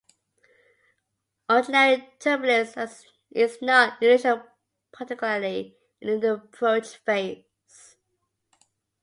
Ordinary turbulence is not unusual, particularly in the approach phase.